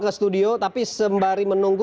ke studio tapi sembari menunggu